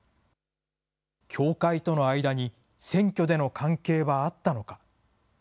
教会との間に選挙での関係はあったのか。